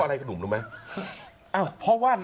อ้าวเพราะว่า